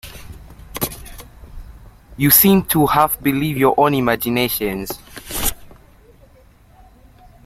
You seem to half believe your own imaginations.